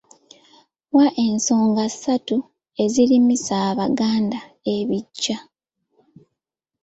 Wa ensonga ssatu ezirimisa Abaganda ebiggya.